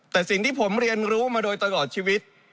แต่สิ่งที่ผมเรียนรู้มาโดยตลอดชีวิต